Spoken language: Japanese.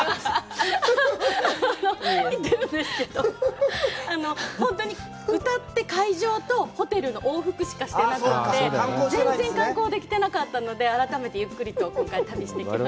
行ってるんですけど、本当に歌って会場と、ホテルの往復しかしていなくて、全然観光できてなかったので、改めてゆっくりと今回旅してきました。